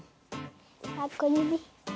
あっ小指。